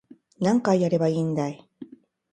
何回やればいいんだい